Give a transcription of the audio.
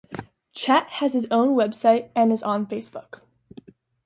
Chet has his own website, and is on Facebook.